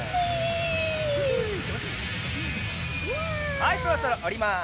はいそろそろおります。